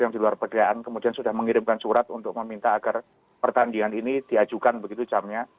yang di luar pekerjaan kemudian sudah mengirimkan surat untuk meminta agar pertandingan ini diajukan begitu jamnya